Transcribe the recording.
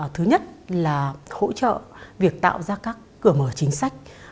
thứ nhất là hỗ trợ việc tạo ra các cửa mở chính sách